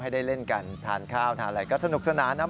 ให้ได้เล่นกันทานข้าวทานอะไรก็สนุกสนานนะ